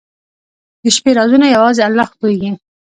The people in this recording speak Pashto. • د شپې رازونه یوازې الله پوهېږي.